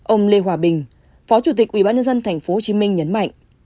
ông lê hòa bình phó chủ tịch ubnd tp hcm nhấn mạnh